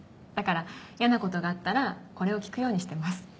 だから嫌なことがあったらこれを聞くようにしてます。